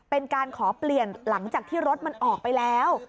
เป็นการขอเปลี่ยนหลังจากที่รถมันออกไปแล้ว